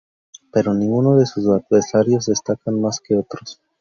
Pero ninguno de sus adversarios destacaba más que otros.